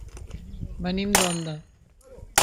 Venim d'Onda.